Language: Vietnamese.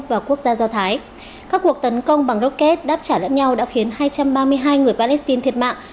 vào quốc gia do thái các cuộc tấn công bằng rocket đáp trả lẫn nhau đã khiến hai trăm ba mươi hai người palestine thiệt mạng